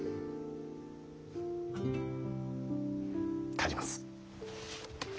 帰ります。